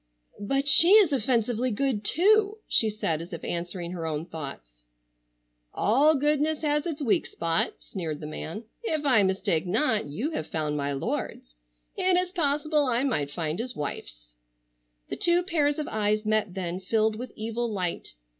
"But she is offensively good too," she said as if answering her own thoughts. "All goodness has its weak spot," sneered the man. "If I mistake not you have found my lord's. It is possible I might find his wife's." The two pairs of eyes met then, filled with evil light.